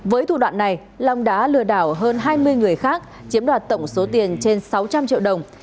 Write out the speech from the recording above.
với thủ đoạn này long đã lừa đảo hơn hai mươi người khác chiếm đoạt tổng số tiền trên sáu trăm linh triệu đồng